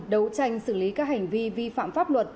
đấu tranh xử lý các hành vi vi phạm pháp luật